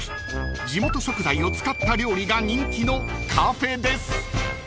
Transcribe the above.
［地元食材を使った料理が人気のカフェです］